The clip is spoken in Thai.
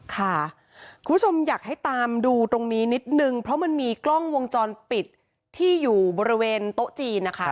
คุณผู้ชมอยากให้ตามดูตรงนี้นิดนึงเพราะมันมีกล้องวงจรปิดที่อยู่บริเวณโต๊ะจีนนะคะ